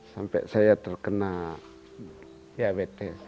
sampai saya terkena diabetes